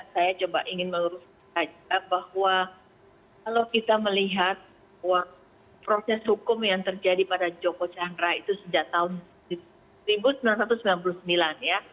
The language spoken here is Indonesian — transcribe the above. saya coba ingin mengurus saja bahwa kalau kita melihat proses hukum yang terjadi pada joko chandra itu sejak tahun seribu sembilan ratus sembilan puluh sembilan ya